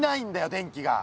電気が。